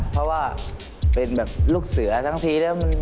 เพราะว่าเป็นแบบลูกเสือทั้งทีแล้ว